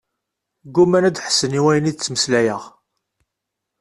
Gguman ad ḥessen i wayen i d-ttmeslayeɣ.